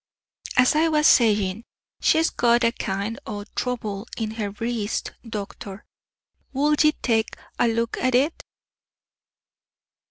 "As I was sayin', she's got a kind o' trouble in her breest, doctor; wull ye tak' a look at it?"